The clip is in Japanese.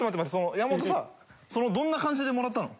山本さどんな感じでもらったの？